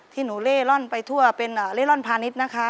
ที่หนูเล่ร่อนไปทั่วเป็นเล่ร่อนพาณิชย์นะคะ